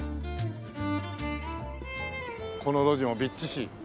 この路地もびっちし。